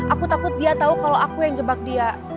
aku takut dia tahu kalau aku yang jebak dia